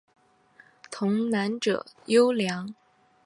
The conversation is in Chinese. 童男者尤良。